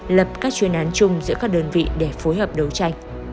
lập các chuyên án chung giữa các đơn vị để phối hợp đấu tranh